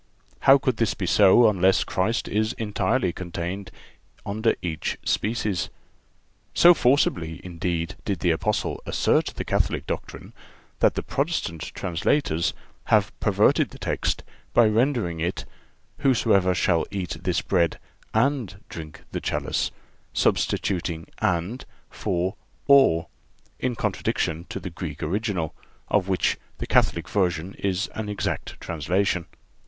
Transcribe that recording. How could this be so, unless Christ is entirely contained under each species? So forcibly, indeed, did the Apostle assert the Catholic doctrine that the Protestant translators have perverted the text by rendering it: "Whosoever shall eat this bread and drink the chalice," substituting and for or, in contradiction to the Greek original, of which the Catholic version is an exact translation.